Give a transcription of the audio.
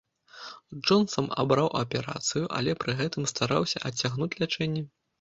Джонсан абраў аперацыю, але пры гэтым стараўся адцягнуць лячэнне.